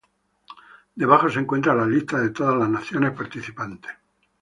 Debajo se encuentra la lista de todas las naciones participantes.